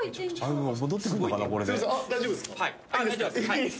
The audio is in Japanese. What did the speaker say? はい。